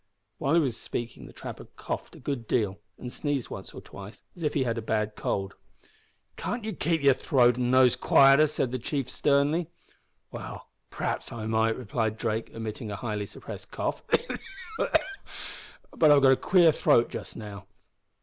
While he was speaking the trapper coughed a good deal, and sneezed once or twice, as if he had a bad cold. "Can't you keep your throat and nose quieter?" said the chief, sternly. "Well, p'r'aps I might," replied Drake, emitting a highly suppressed cough at the moment, "but I've got a queer throat just now.